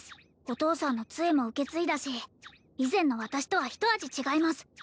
お父さんの杖も受け継いだし以前の私とはひと味違います